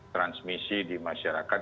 transmisi di masyarakat